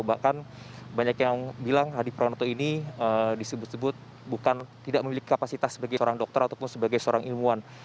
bahkan banyak yang bilang hadi pranoto ini disebut sebut bukan tidak memiliki kapasitas sebagai seorang dokter ataupun sebagai seorang ilmuwan